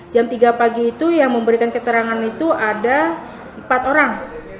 jam tiga pagi itu yang memberikan keterangan itu ada empat orang